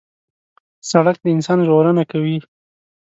سړک د انسان ژغورنه کوي.